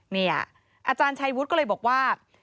อาจารย์ชัยวุฒิก็เลยบอกว่า